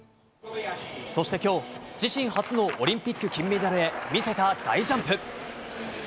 そして今日自身初のオリンピック金メダルへ見せた大ジャンプ。